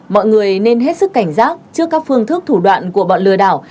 mọi người nên hết sức cảnh giác trước các phương thức thủ đoạn của bọn lừa đảo